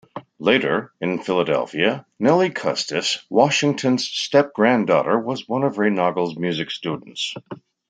Later, in Philadelphia, Nellie Custis, Washington's step-granddaughter, was one of Reinagle's music students.